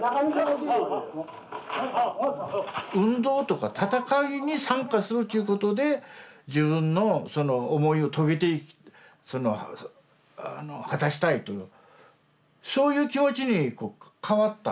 運動とか闘いに参加するっちゅうことで自分の思いを遂げて果たしたいというそういう気持ちに変わった。